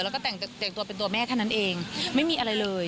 แล้วก็แต่งตัวเป็นตัวแม่เท่านั้นเองไม่มีอะไรเลย